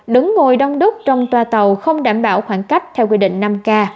đứng ngồi đông đúc trong toa tàu không đảm bảo khoảng cách theo quy định năm k